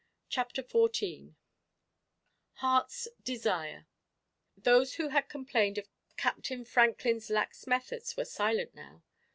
CHAPTER XIV HEART'S DESIRE Those who had complained of Captain Franklin's lax methods were silent now.